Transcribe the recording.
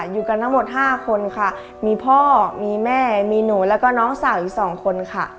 อยู่กันทั้งหมด๕คนค่ะมีพ่อมีแม่มีหนูแล้วก็น้องสาวอีก๒คนค่ะ